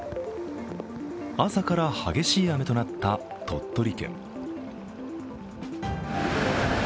朝から、激しい雨となった鳥取県。